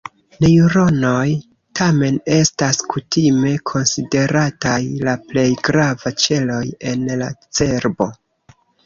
Neŭronoj, tamen, estas kutime konsiderataj la plej gravaj ĉeloj en la cerbo.